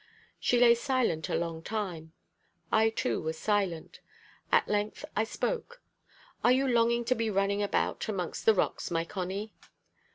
She lay silent a long time. I too was silent. At length I spoke. "Are you longing to be running about amongst the rocks, my Connie?"